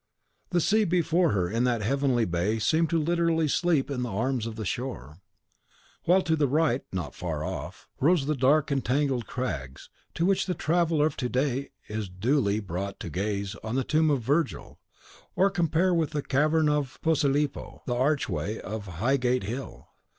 The sea before her in that heavenly bay seemed literally to sleep in the arms of the shore; while, to the right, not far off, rose the dark and tangled crags to which the traveller of to day is duly brought to gaze on the tomb of Virgil, or compare with the cavern of Posilipo the archway of Highgate Hill.